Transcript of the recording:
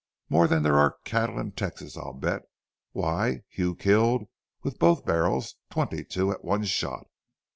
More than there are cattle in Texas, I'll bet. Why, Hugh killed, with both barrels, twenty two at one shot."